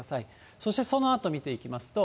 そしてそのあと見ていきますと。